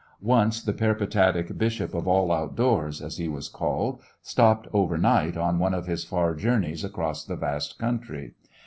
Once the peripatetic Bishop of All Outdoors, as he was called, stopped overnight on one of his far journeys across the vast country.